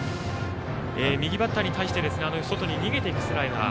右バッターに対してですが外に逃げていくスライダー。